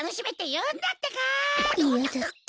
いやだった？